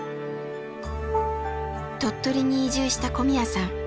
鳥取に移住した小宮さん。